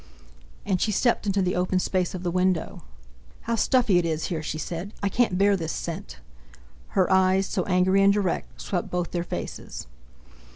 And she stepped into the open space of the window. "How stuffy it is here!" she said; "I can't bear this scent!" Her eyes, so angry and direct, swept both their faces.